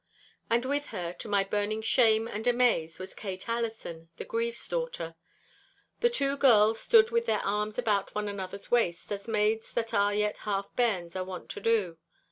And with her, to my burning shame and amaze, was Kate Allison, the Grieve's daughter. The two girls stood with their arms about one another's waists, as maids that are yet half bairns are wont to do.